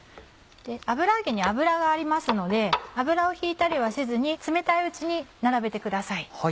油揚げに油がありますので油を引いたりはせずに冷たいうちに並べてください。